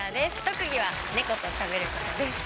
特技は猫としゃべることです。